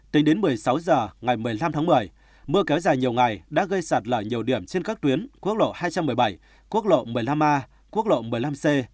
tính đến một mươi sáu h ngày một mươi năm tháng một mươi mưa kéo dài nhiều ngày đã gây sạt lở nhiều điểm trên các tuyến quốc lộ hai trăm một mươi bảy quốc lộ một mươi năm a quốc lộ một mươi năm c